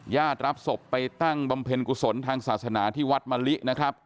รับศพไปตั้งบำเพ็ญกุศลทางศาสนาที่วัดมะลินะครับ